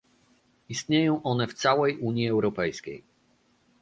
Istnieją one w całej Unii Europejskiej